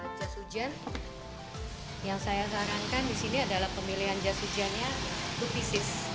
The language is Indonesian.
jas hujan yang saya sarankan di sini adalah pemilihan jas hujannya dua pisis